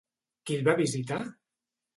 Qui el va visitar?